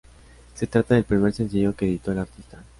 Se trata del primer sencillo que editó el artista.